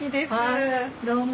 どうも。